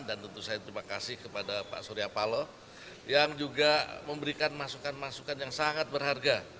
dan tentu saya terima kasih kepada pak surya paloh yang juga memberikan masukan masukan yang sangat berharga